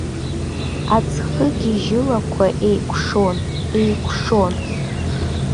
Аӡхыгьежьылақәа еикәшон, еикәшон.